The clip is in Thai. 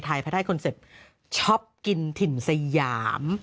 ภายใต้คอนเซ็ปต์ชอบกินถิ่นสยาม